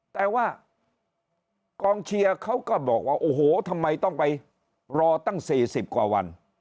แต่ว่ากองเชียร์เขาก็บอกว่าโอ้โหทำไมต้องไปรอตั้ง๔๐กว่าวัน